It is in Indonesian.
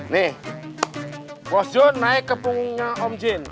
nih bos jun naik ke punggungnya om jin